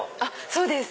そうです。